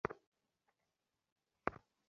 তিনি ছেলেদের নূতন নামকরণ করিতেন।